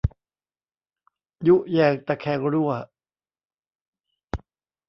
ยุแยงตะแคงรั่ว